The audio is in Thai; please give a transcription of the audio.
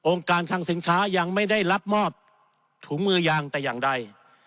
การคังสินค้ายังไม่ได้รับมอบถุงมือยางแต่อย่างใด